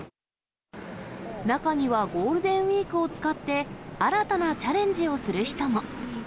中にはゴールデンウィークを使って、新たなチャレンジをする人も。